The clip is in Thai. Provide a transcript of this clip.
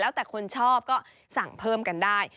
แล้วแต่คนชอบก็สั่งเพิ่มกันได้